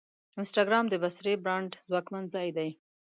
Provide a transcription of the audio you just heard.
انسټاګرام د بصري برانډ ځواکمن ځای دی.